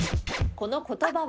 この言葉は？